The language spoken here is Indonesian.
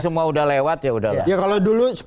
semua udah lewat ya udahlah kalau dulu